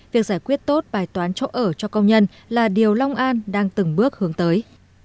việc giải quyết tốt bài toán chỗ ở cho công nhân là điều long an đang từng bước hướng tới